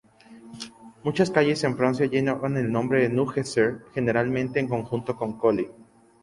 Muchas calles en Francia llevan el nombre de Nungesser, generalmente en conjunto con Coli.